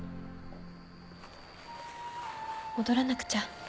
戻らなくちゃ。